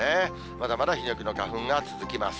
まだまだヒノキの花粉が続きます。